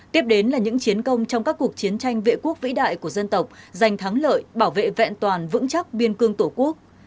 tiếp đến là những chiến công trong các cuộc chiến tranh vệ quốc vĩ đại của dân tộc giành thắng lợi bảo vệ vẹn toàn vững chắc biên cương tổ quốc